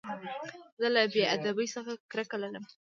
زه له بېادبۍ څخه کرکه لرم.